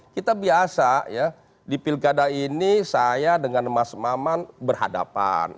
kita biasa ya di pilkada ini saya dengan mas maman berhadapan